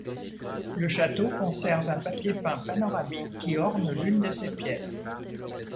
Le château conserve un papier peint panoramique qui orne l'une de ses pièces.